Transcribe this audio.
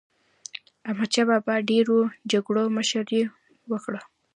احمدشاه بابا د ډېرو جګړو مشري وکړه.